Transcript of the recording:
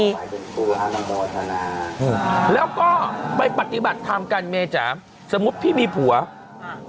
อ่าแล้วก็ไปปฏิบัติทำกันเมจาสมมุติพี่มีผัวอ่า